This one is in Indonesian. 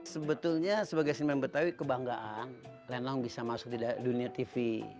sebetulnya sebagai seniman betawi kebanggaan lenong bisa masuk di dunia tv